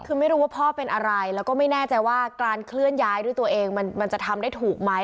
คือไม่รู้ว่าพ่อเป็นอะไรแล้วก็ไม่แน่ใจว่าการเคลื่อนย้ายด้วยตัวเองมันจะทำได้ถูกไหม